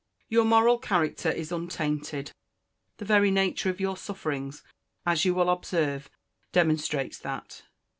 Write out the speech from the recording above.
Your moral character is untainted: the very nature of your sufferings, as you will observe, demonstrates that.